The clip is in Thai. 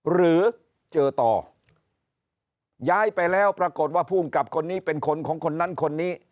หรือเจอต่อย้ายไปแล้วปรากฏว่าภูมิกับคนนี้เป็นคนของคนนั้นคนนี้